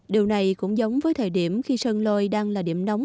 điều này cũng giống với thời điểm khi sơn lôi đang là điểm nóng